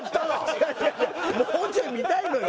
いやいやいやもうちょい見たいのよ